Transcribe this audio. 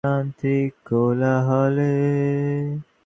পরিণামে শিক্ষকদের শেখায় কম গুরুত্ব দেওয়া।